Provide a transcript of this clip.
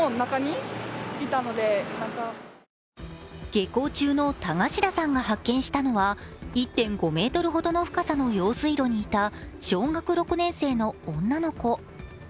下校中の田頭さんが発見したのは１．５ｍほどの深さの用水路にいた小学６年生の女の子。